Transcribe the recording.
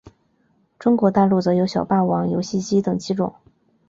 中国大陆则有小霸王游戏机等机种。